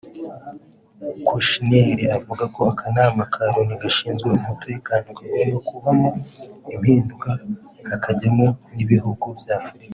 Kouchner avuga ko Akanama ka Loni gashinzwe umutekano kagomba kubamo impinduka hakajyamo n’ibihugu by’Afurika